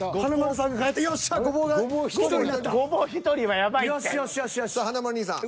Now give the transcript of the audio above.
さあ華丸兄さん。